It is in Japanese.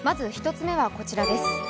１つ目はこちらです。